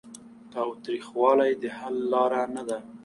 تاوتریخوالی د حل لاره نه ده.